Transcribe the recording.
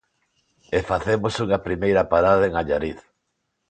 E facemos unha primeira parada en Allariz.